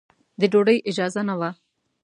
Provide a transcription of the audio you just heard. د ډوډۍ اجازه نه وه.